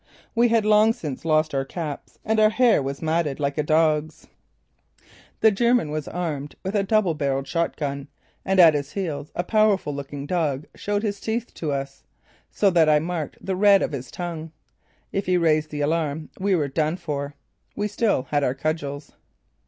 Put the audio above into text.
We had long since lost our caps and our hair was matted like a dog's. The German was armed with a double barreled shotgun, and at his heels a powerful looking dog showed his teeth to us, so that I marked the red of his tongue. If he raised the alarm we were done for. We still had our cudgels.